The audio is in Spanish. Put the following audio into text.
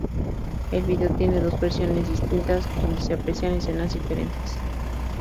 El vídeo tiene dos versiones distintas, donde se aprecian escenas diferentes.